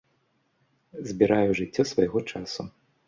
Збіраю жыццё свайго часу.